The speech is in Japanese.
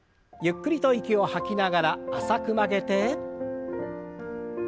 ゆっくりと息を吐きながら浅く曲げて。